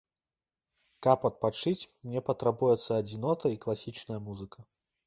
Каб адпачыць, мне патрабуецца адзінота і класічная музыка.